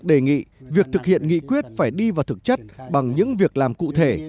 vì vậy việc thực hiện nghị quyết phải đi vào thực chất bằng những việc làm cụ thể